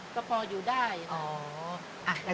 ก็พออยู่ได้อ๋อ